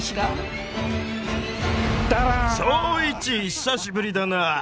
久しぶりだな。